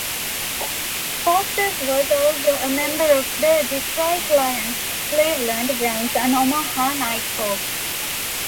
Foster was also a member of the Detroit Lions, Cleveland Browns and Omaha Nighthawks.